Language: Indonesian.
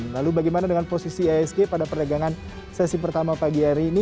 lalu bagaimana dengan posisi isg pada perdagangan sesi pertama pagi hari ini